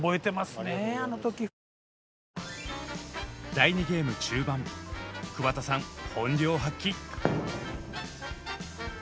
第２ゲーム中盤桑田さん本領発揮！